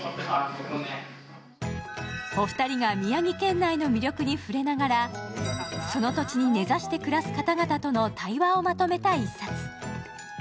お二人が宮城県内の魅力に触れながらその土地に根ざして暮らす方々の対話をまとめた一冊。